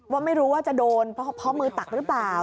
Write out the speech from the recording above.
ว่าไม่รู้ว่าจะโดนเพราะมือตักหรือเปล่า